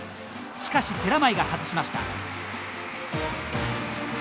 しかし寺前が外しました。